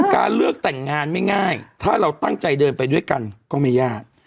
การเลือกแต่งงานไม่ง่ายถ้าเราตั้งใจเดินไปด้วยกันก็ไม่ยาก